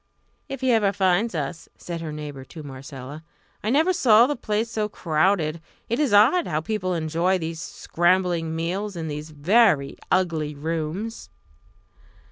"If he ever finds us!" said her neighbour to Marcella. "I never saw the place so crowded. It is odd how people enjoy these scrambling meals in these very ugly rooms."